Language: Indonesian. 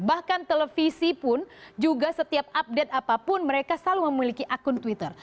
bahkan televisi pun juga setiap update apapun mereka selalu memiliki akun twitter